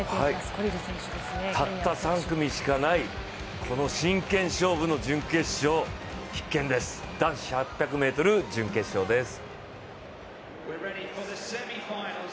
たった３組しかない、この真剣勝負の準決勝、必見です、男子８００ｍ準決勝です。